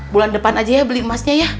bulan depan aja ya beli emasnya ya